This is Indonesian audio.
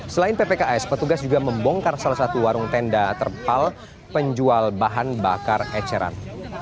selain ppks petugas juga membongkar salah satu warung tenda terpal penjual bahan bakar eceran